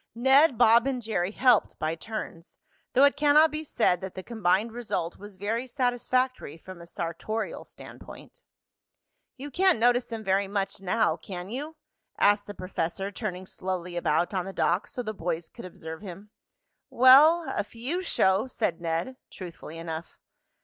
Ned, Bob and Jerry helped by turns, though it cannot be said that the combined result was very satisfactory from a sartorial standpoint. "You can't notice them very much now; can you?" asked the professor, turning slowly about on the dock so the boys could observe him. "Well, a few show," said Ned, truthfully enough.